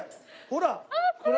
ほら！